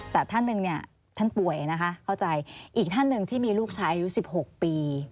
แต่ท่านหนึ่งเนี่ยท่านป่วยนะคะเข้าใจอีกท่านหนึ่งที่มีลูกชายอายุ๑๖ปี